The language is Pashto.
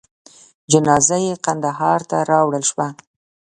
جنازه یې کندهار ته راوړل شوه.